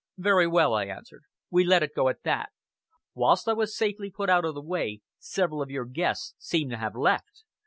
"Very well," I answered. "Let it go at that. Whilst I was safely put out of the way, several of your guests seem to have left.